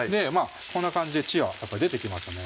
こんな感じで血は出てきますね